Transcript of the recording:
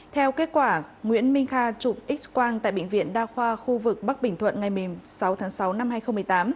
theo kết quả nguyễn minh kha trụp x quang tại bệnh viện đa khoa khu vực bắc bình thuận ngày sáu tháng sáu năm hai nghìn một mươi tám